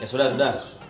ya sudah sudah